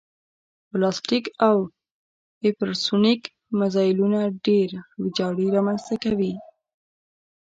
بلاستیک او هیپرسونیک مزایلونه ډېره ویجاړي رامنځته کوي